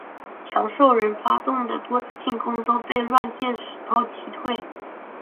强兽人发动的多次进攻都被乱箭石头击退。